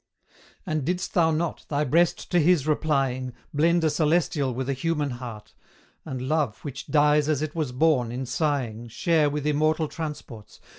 And didst thou not, thy breast to his replying, Blend a celestial with a human heart; And Love, which dies as it was born, in sighing, Share with immortal transports?